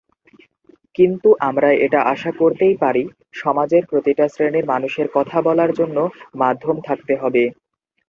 কিন্তু আমরা এটা আশা করতেই পারি, সমাজের প্রতিটা শ্রেণির মানুষের কথা বলার জন্য মাধ্যম থাকতে হবে।